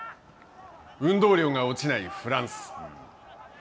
運動量が落ちないフランス。